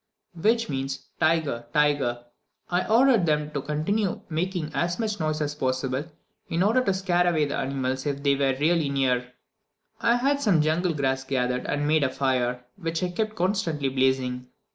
which means "Tiger! tiger!" I ordered them to continue making as much noise as possible, in order to scare away the animals if they really were near. I had some jungle grass gathered and made a fire, which I kept constantly blazing.